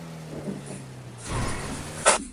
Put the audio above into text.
El campo de orden cero es el "bit de signo".